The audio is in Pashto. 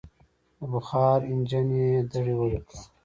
د بخار انجن یې دړې وړې کړ.